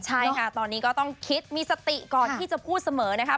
ใช่ค่ะตอนนี้ก็ต้องคิดมีสติก่อนที่จะพูดเสมอนะครับ